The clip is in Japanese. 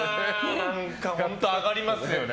何か、本当上がりますよね。